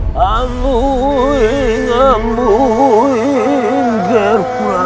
sampai jumpa di video selanjutnya